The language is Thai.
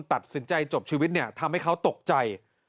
ตัดสินใจจบชีวิตเนี่ยทำให้เขาตกใจ